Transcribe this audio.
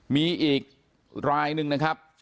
มีอีกรายหนึ่งนะครับ